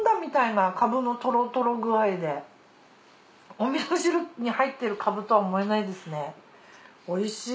お味噌汁に入ってるカブとは思えないですね。